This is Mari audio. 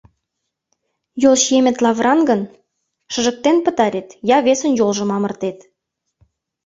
Йолчиемет лавыран гын, шыжыктен пытарет я весын йолжым амыртет.